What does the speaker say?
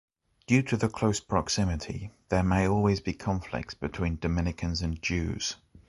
Due to the close proximity, there may always be conflicts between Dominicans and Jews.